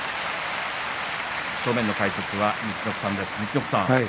正面の解説は陸奥さんです。